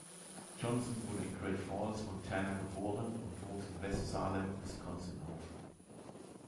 Johnson wurde in Great Falls, Montana, geboren und wuchs in West Salem, Wisconsin auf.